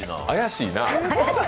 怪しいな。